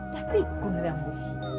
tapi aku nambuh